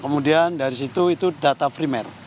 kemudian dari situ itu data primer